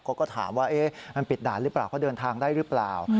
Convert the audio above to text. เขาก็ถามว่ามันปิดด่านหรือเปล่าเขาเดินทางได้หรือเปล่า